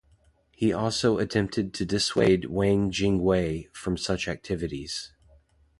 He also attempted to dissuade Wang Jingwei from such activities.